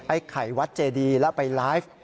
ไข่วัดเจดีแล้วไปไลฟ์